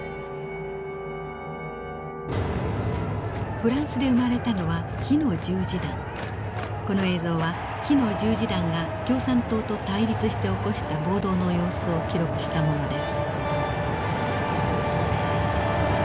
フランスで生まれたのはこの映像は火の十字団が共産党と対立して起こした暴動の様子を記録したものです。